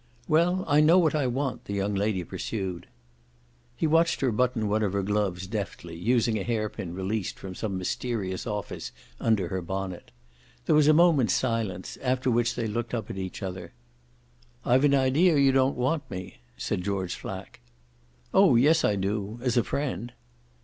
"Well, I know what I want," the young lady pursued. He watched her button one of her gloves deftly, using a hairpin released from some mysterious office under her bonnet. There was a moment's silence, after which they looked up at each other. "I've an idea you don't want me," said George Flack. "Oh yes, I do as a friend."